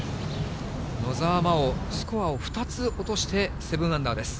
野澤真央、スコアを２つ落として、７アンダーです。